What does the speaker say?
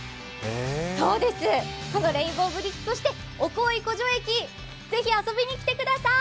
そうです、このレインボーブリッジ、そして奥大井湖上駅、ぜひ遊びにきてください。